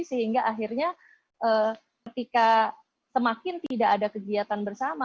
sehingga akhirnya ketika semakin tidak ada kegiatan bersama